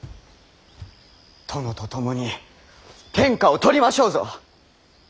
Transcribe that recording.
殿と共に天下を取りましょうぞ！